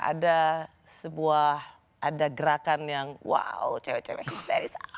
ada sebuah ada gerakan yang wow cewek cewek histeris